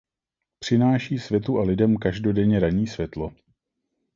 Přináší světu a lidem každodenně ranní světlo.